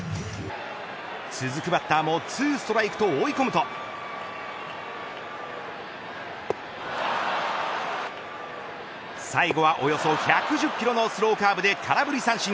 続くバッターも２ストライクと追い込むと最後はおよそ１１０キロのスローカーブで空振り三振。